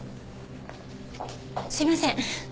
すいません。